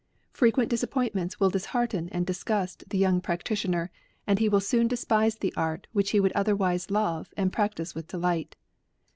Frequent disap pointments will dishearten and disgust the young practitioner, and he will soon despise the art which he would otherwise love, and practise with delight.